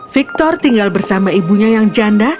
victor tinggal bersama ibunya yang janda